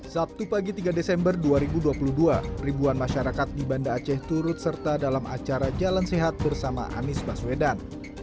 sabtu pagi tiga desember dua ribu dua puluh dua ribuan masyarakat di banda aceh turut serta dalam acara jalan sehat bersama anies baswedan